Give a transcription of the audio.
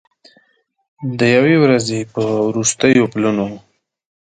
د یوې ورځې په وروستیو پلونو